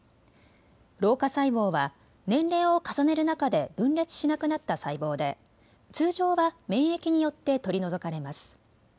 老化細胞は年齢を重ねる中で分裂しなくなった細胞で通常は免疫によって取り除かれます。